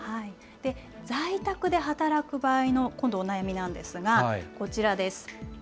在宅で働く場合の今度お悩みなんですが、こちらです。